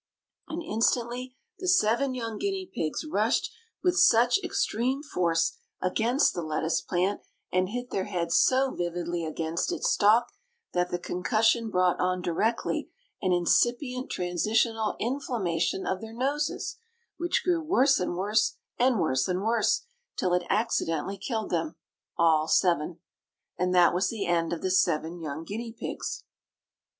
And instantly the seven young guinea pigs rushed with such extreme force against the lettuce plant, and hit their heads so vividly against its stalk, that the concussion brought on directly an incipient transitional inflammation of their noses, which grew worse and worse, and worse and worse, till it incidentally killed them—all seven. And that was the end of the seven young guinea pigs.